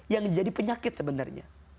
yang jadi penyakit sebenarnya